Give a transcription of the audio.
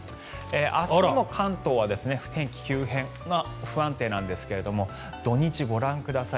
明日の関東は天気急変不安定なんですが土日、ご覧ください。